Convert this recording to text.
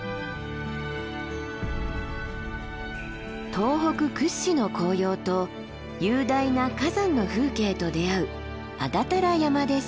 東北屈指の紅葉と雄大な火山の風景と出会う安達太良山です。